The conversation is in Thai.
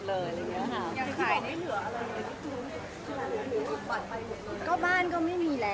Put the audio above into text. ภรรยายปุ๊กหาข่าวขอไปเลยค่ะ